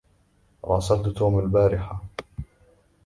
راسلت توم البارحة